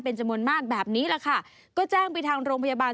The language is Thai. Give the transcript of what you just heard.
เป็นจำนวนมากแบบนี้แหละค่ะก็แจ้งไปทางโรงพยาบาล